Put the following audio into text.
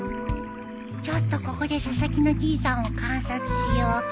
ちょっとここで佐々木のじいさんを観察しよう。